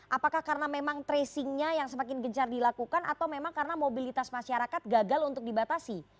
apakah karena memang tracingnya yang semakin gencar dilakukan atau memang karena mobilitas masyarakat gagal untuk dibatasi